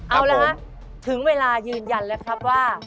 เอาละฮะถึงเวลายืนยันแล้วครับว่า